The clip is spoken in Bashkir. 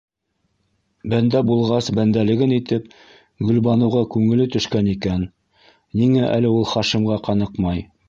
Бәндә булғас, бәндәлеген итеп, Гөлбаныуға күңеле төшкән икән, ниңә әле ул Хашимға ҡаныҡмай?